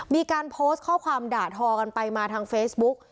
มีการโพสต์ข้อความด่าทอกันไปมาทางเฟซบุ๊ก